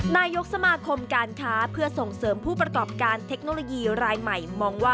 นายกสมาคมการค้าเพื่อส่งเสริมผู้ประกอบการเทคโนโลยีรายใหม่มองว่า